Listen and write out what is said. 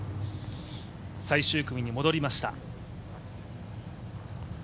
最終組に戻りました。